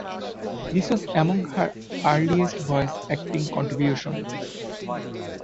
This was among her earliest voice acting contributions.